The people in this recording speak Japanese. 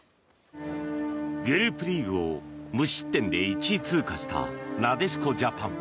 グループリーグを無失点で１位通過したなでしこジャパン。